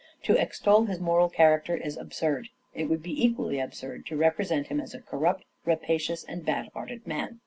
To extol his moral character is absurd. It would be equally absurd to represent him as a corrupt, rapacious and bad hearted man.